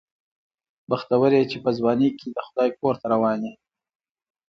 بختور یې چې په ځوانۍ کې د خدای کور ته روان یې.